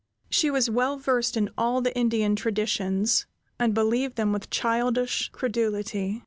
She was well versed in all the Indian traditions, and believed them with childish credulity.